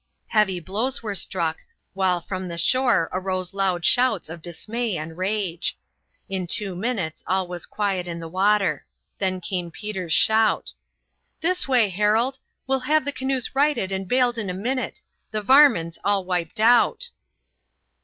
Heavy blows were struck, while from the shore arose loud shouts of dismay and rage. In two minutes all was quiet on the water. Then came Peter's shout: "This way, Harold! We'll have the canoes righted and bailed in a minute. The varmin's all wiped out."